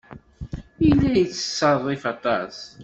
Yella yettṣerrif aṭas.